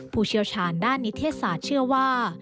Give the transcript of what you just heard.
ผู้เชี่ยวชาญด้านนิเทศศาสตร์เชื่อว่า